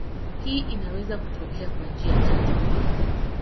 Hii inaweza kutokea kwa njia tatu kuu.